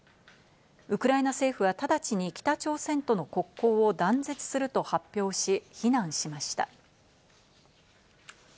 ウクライナ政府はただちに北朝鮮との国交を断絶すると発表し、非難しました。